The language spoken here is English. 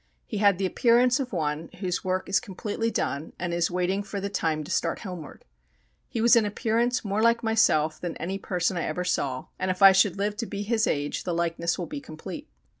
He had the appearance of one whose work is completely done, and is waiting for the time to start homeward. He was in appearance more like myself than any person I ever saw, and if I should live to be his age the likeness will be complete.